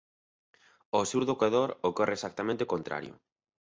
Ao sur do ecuador ocorre exactamente o contrario.